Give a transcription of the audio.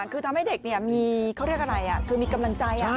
ก็ดีคือทำให้เด็กมีเข้าแทรกอะไรคือมีกำลังใจ